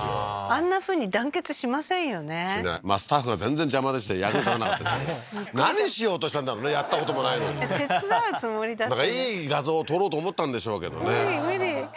あんなふうに団結しませんよねしないスタッフが全然邪魔でしたやるだなんて何しようとしたんだろうねやったこともないのに手伝うつもりだったいい画像を撮ろうと思ったんでしょうけどね